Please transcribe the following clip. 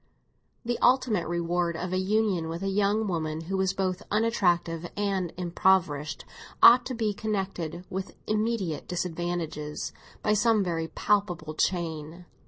The ultimate reward of a union with a young woman who was both unattractive and impoverished ought to be connected with immediate disadvantages by some very palpable chain.